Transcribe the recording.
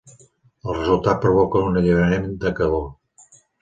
El resultat provoca un alliberament de calor.